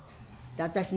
私ね